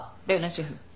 シェフ。